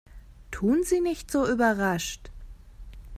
Tun Sie nicht so überrascht!